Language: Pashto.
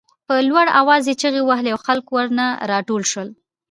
په لوړ آواز یې چغې وهلې او خلک ورنه راټول شول.